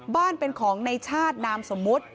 บ้านเป็นของในชาตินามสมมุติ